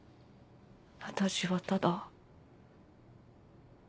私はただ。